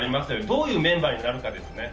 どういうメンバーになるかですね。